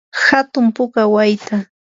hantu puka wayta.